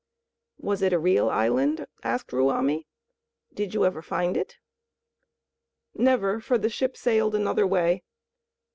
"Was it a real island," asked Ruamie. "Did you ever find it?" "Never; for the ship sailed another way.